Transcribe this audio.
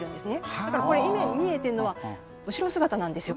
だからこれ今見えてるのは後ろ姿なんですよ。